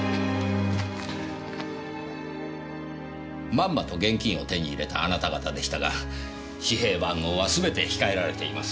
まんまと現金を手に入れたあなた方でしたが紙幣番号はすべて控えられています。